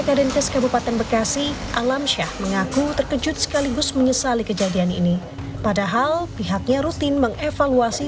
alamsyah mengaku terkejut sekaligus menyesali kejadian ini padahal pihaknya rutin mengevaluasi